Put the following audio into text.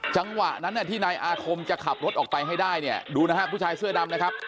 จังหวะนั้นที่นายอาคมจะขับรถออกไปให้ได้เนี่ยดูนะฮะผู้ชายเสื้อดำนะครับ